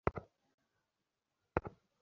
ধন্যবাদ কুকুর আছে, সামলে।